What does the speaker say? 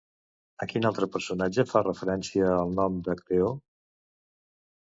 A quin altre personatge fa referència el nom d'Acteó?